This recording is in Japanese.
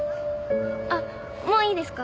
あっもういいですか？